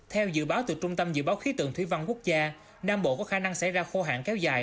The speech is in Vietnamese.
theo dự báo từ trung tâm dự báo khí tượng thủy văn quốc gia nam bộ có khả năng xảy ra khô hạn kéo dài